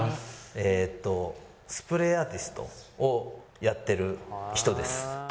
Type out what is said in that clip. えっとスプレーアーティストをやってる人です。